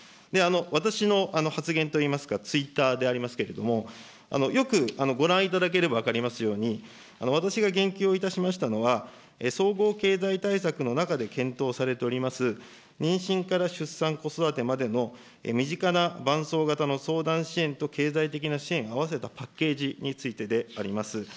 私の発言といいますか、ツイッターでありますけれども、よくご覧いただければ分かりますように、私が言及をいたしましたのは、総合経済対策の中で検討されております、妊娠から出産、子育てまでの身近な伴走型の相談支援と経済的な支援を合わせたパッケージについてであります。